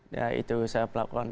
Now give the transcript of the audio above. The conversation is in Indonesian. ya itu saya pelakukan